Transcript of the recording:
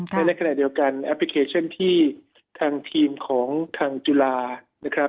และในขณะเดียวกันแอปพลิเคชันที่ทางทีมของทางจุฬานะครับ